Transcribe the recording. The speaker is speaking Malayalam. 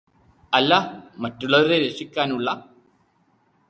അല്ല മറ്റുള്ളവരെ രക്ഷിക്കാനുള്ള